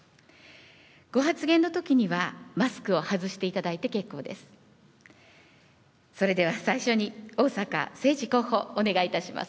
ご発言のときにはマスクを外していただいて結構です。